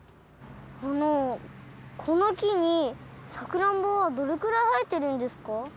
あのこのきにさくらんぼはどれくらいはえてるんですか？